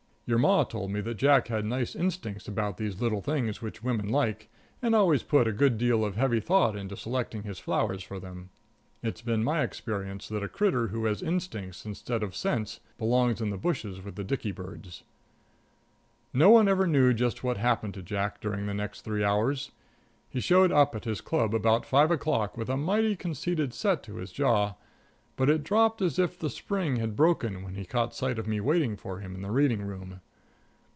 Your Ma told me that Jack had nice instincts about these little things which women like, and always put a good deal of heavy thought into selecting his flowers for them. It's been my experience that a critter who has instincts instead of sense belongs in the bushes with the dicky birds. No one ever knew just what happened to Jack during the next three hours. He showed up at his club about five o'clock with a mighty conceited set to his jaw, but it dropped as if the spring had broken when he caught sight of me waiting for him in the reading room.